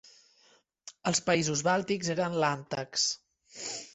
Als països bàltics eren "Landtags".